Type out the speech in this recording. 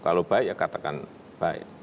kalau baik ya katakan baik